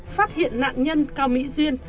phát hiện nạn nhân cao mỹ duyên